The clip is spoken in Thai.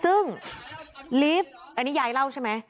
ซึ่งลีฟอันนี้ยายเล่าใช่ไหม